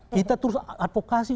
kita terus advokasi